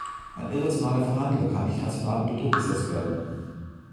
Ein irrationaler Verhandler kann nicht rational unter Druck gesetzt werden.